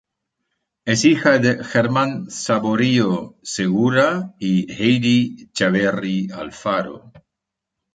Es hija de German Saborío Segura y Haydee Chaverri Alfaro.